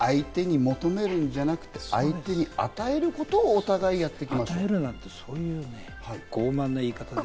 相手に求めるんじゃなくて、相手に与えることをお互いやっていく。